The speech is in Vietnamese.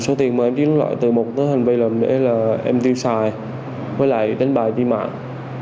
số tiền mà em chuyển loại từ một hành vi làm đế là em tiêu xài với lại đánh bài chi mạng